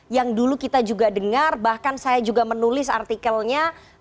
yang dulu kita juga dengar bahkan saya juga menulis artikelnya